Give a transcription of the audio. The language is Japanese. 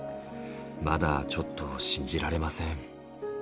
まだちょっと信じられません。